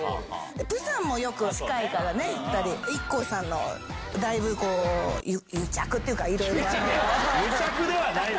プサンもよく近いからね、行ったり、ＩＫＫＯさんのだいぶ癒着っていうか、癒着ではないわ。